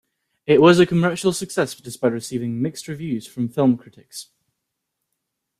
It was a commercial success despite receiving mixed reviews from film critics.